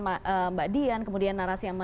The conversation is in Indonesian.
mbak dian kemudian narasi yang